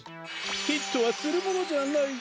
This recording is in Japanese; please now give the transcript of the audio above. ヒットはするものじゃない。